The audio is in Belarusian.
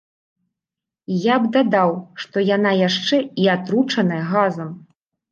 І я б дадаў, што яна яшчэ і атручаная газам.